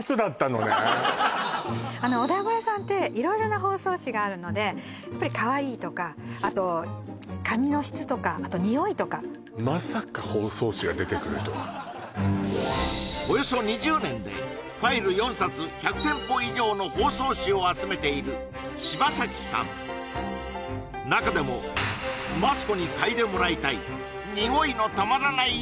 これお団子屋さんって色々な包装紙があるのでやっぱりかわいいとかあと紙の質とかあと匂いとかおよそ２０年でファイル４冊１００店舗以上の包装紙を集めている芝崎さん中でもマツコに嗅いでもらいたい匂いのたまらない